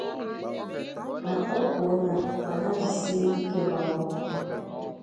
ma kpọkuo ha ka ha jisie ike n'ọrụ